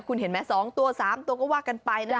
คุณเห็นไหม๒ตัว๓ตัวก็ว่ากันไปนะ